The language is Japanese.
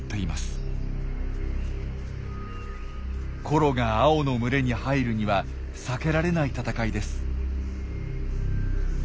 コロが青の群れに入るには避けられない戦いです。